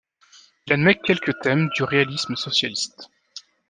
Il admet quelques thèmes du réalisme socialitse.